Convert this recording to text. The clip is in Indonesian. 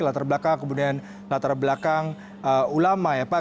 latar belakang kemudian latar belakang ulama ya pak